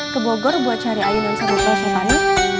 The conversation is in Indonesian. ke bogor buat cari ayunan sama prosutani